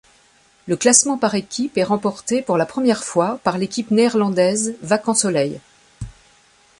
Le classement par équipes est remporté pour la première fois par l'équipe néerlandaise Vacansoleil.